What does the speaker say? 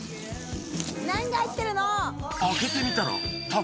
何が入ってるの？